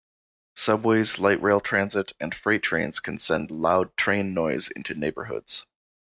Subways, Light Rail transit and freight trains can send loud train noise into neighborhoods.